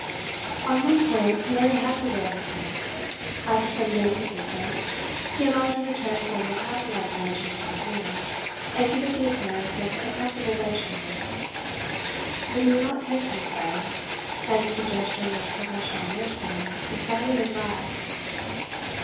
On one point Mary had prevailed with him. After some days' resistance, he allowed her to transform the cabin like arrangements of his room, and give it the appearance of a comfortable bed chamber. But he would not take to his bed, and the suggestion of professional nursing excited his wrath.